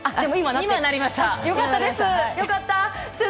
今、なりました。